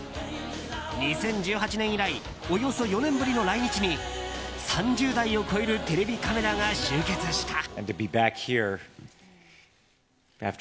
２０１８年以来およそ４年ぶりの来日に３０台を超えるテレビカメラが集結した。